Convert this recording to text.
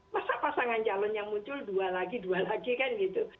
masa pasangan calon yang muncul dua lagi dua lagi kan gitu